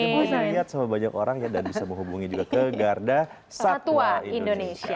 nanti boleh dilihat sama banyak orang ya dan bisa menghubungi juga ke gardasatua indonesia